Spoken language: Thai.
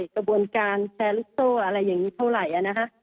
กระบวนการแซรุโต้อะไรอย่างนี้เท่าไหร่อ่ะนะฮะ